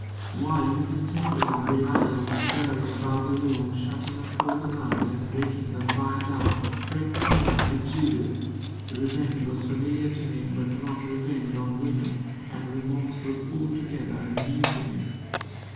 While Mrs. Temple and Delilah were stirring about the room, shutting up for the night and raking the fire down, Freke came up to Judith. Revenge was familiar to him, but not revenge on women, and remorse was altogether new to him.